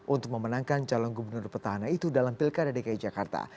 untuk memenangkan calon gubernur petahana itu dalam pilkada dki jakarta